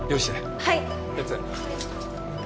はい。